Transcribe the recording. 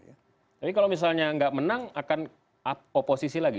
jadi kalau misalnya nggak menang akan oposisi lagi